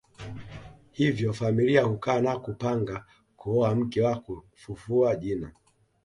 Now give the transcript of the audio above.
Hivyo familia hukaa na kupanga kuoa mke wa kufufua jina